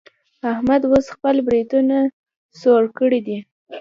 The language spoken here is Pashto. احمد اوس خپل برېتونه څوړ کړي دي.